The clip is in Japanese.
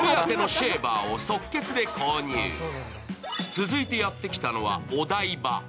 続いてやってきたのはお台場。